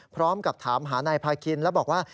พร้อมกับถามหานายพาคินแล้วบอกว่า